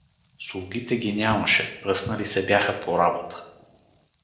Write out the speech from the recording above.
Слугите ги нямаше, пръснали се бяха по работа.